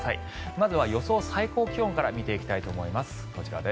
まずは予想最高気温から見ていきたいと思います。